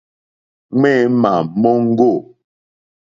Ŋměmà móŋɡô.